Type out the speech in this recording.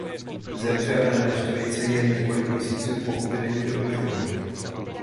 Zemřel na neštovice jen několik měsíců po uvedení do úřadu.